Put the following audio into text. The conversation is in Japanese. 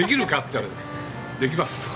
ったら「できます」と。